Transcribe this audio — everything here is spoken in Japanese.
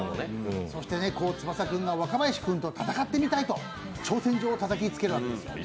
そして、翼君が若林君と戦ってみたいと挑戦状を突きつけるわけです。